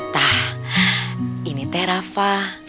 tah ini teh rafa